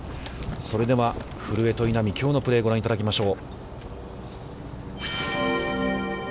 それでは、古江と稲見、きょうのプレーをご覧いただきましょう。